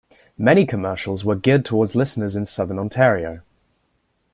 Many commercials were geared towards listeners in Southern Ontario.